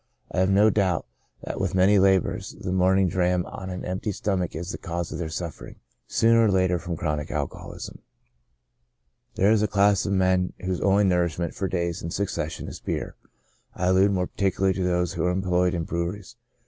I have no doubt that with many laborers, the morning dram on an empty stomach is the cause of their suffering, sooner or later, from chronic alcoholism. There is a class of men whose only nourishment for days in succession is beer ; I allude more particularly to those v^^ho are employed in breweries.